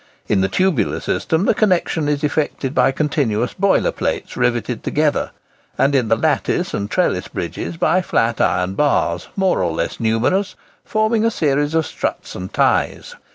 In the tubular system the connexion is effected by continuous boiler plates riveted together; and in the lattice and trellis bridges by flat iron bars, more or less numerous, forming a series of struts and ties.